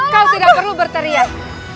kau tidak perlu berteriak